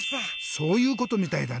そういうことみたいだね。